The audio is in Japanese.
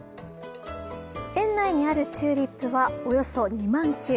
園内にあるチューリップはおよそ２万球。